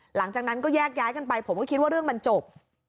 หลังจากนั้นก็แยกย้ายกันไปผมก็คิดว่าเรื่องมันจบ